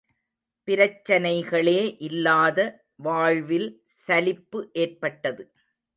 பிரச்சனைகளே இல்லாத வாழ்வில் சலிப்பு ஏற்பட்டது.